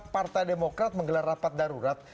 partai demokrat menggelar rapat darurat